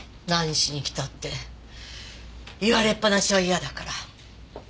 何しに来たって言われっぱなしはいやだから。